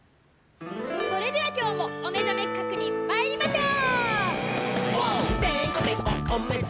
それではきょうもおめざめ確認まいりましょう！